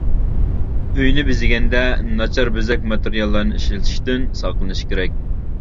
ئۆينى بېزىگەندە ناچار بېزەك ماتېرىياللارنى ئىشلىتىشتىن ساقلىنىش كېرەك.